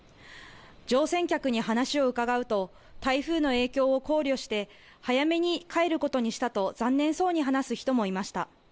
乗船客に話を伺うと台風の影響を考慮して早めに帰ることにしたと残念そうに話す人もいました。